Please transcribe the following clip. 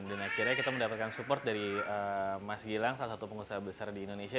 akhirnya kita mendapatkan support dari mas gilang salah satu pengusaha besar di indonesia